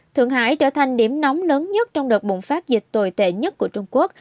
thượng hải trở thành điểm nóng lớn nhất trong đợt bùng phát dịch tồi tệ nhất của trung quốc